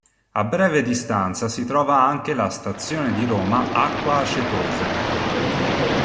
A breve distanza si trova anche la Stazione di Roma Acqua Acetosa